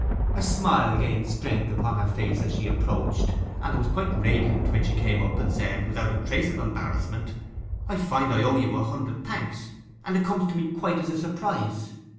A smile gained strength upon her face as she approached, and it was quite radiant when she came up, and said, without a trace of embarrassment, 'I find I owe you a hundred thanks—and it comes to me quite as a surprise!